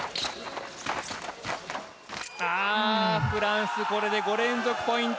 フランスこれで５連続ポイント。